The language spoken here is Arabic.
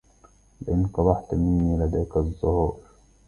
لئن قبحت مني لديك الظهائر